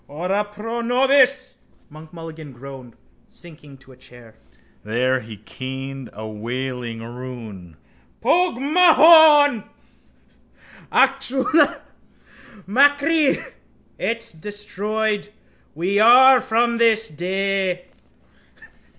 —Ora pro nobis, Monk Mulligan groaned, sinking to a chair. There he keened a wailing rune. —Pogue mahone! Acushla machree! It's destroyed we are from this day!